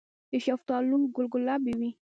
د شفتالو ګل ګلابي وي؟